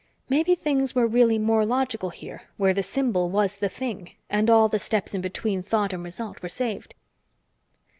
Maybe things were really more logical here where the symbol was the thing, and all the steps in between thought and result were saved.